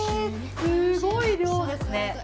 すごい量ですね。